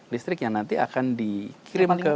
listrik yang nanti akan dikirim ke